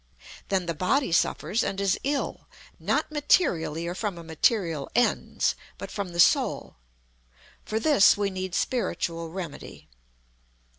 Then the body suffers and is ill not materially or from a material Ens, but from the Soul. For this we need spiritual remedy.